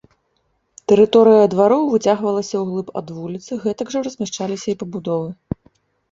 Тэрыторыя двароў выцягвалася ўглыб ад вуліцы, гэтак жа размяшчаліся і пабудовы.